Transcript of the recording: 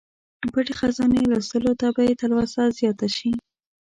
پټې خزانې لوستلو ته به یې تلوسه زیاته شي.